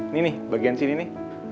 ini nih bagian sini nih